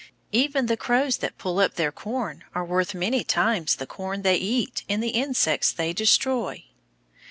Even the crows that pull up their corn are worth many times the corn they eat in the insects they destroy.